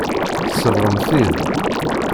Tsebɣem-t-id.